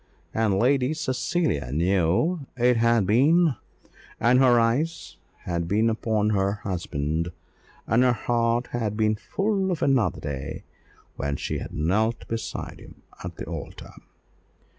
And Lady Cecilia knew that it had been; and her eyes had been upon her husband, and her heart had been full of another day when she had knelt beside him at the altar.